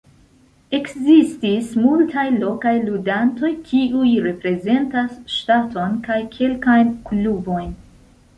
Ekzistis multaj lokaj ludantoj kiuj reprezentas ŝtaton kaj kelkajn klubojn.